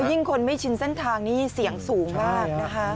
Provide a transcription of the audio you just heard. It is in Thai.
ยิ่งคนไม่ชินเส้นทางนี้เสียงสูงมากนะคะ